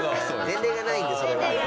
前例がないんでそれは。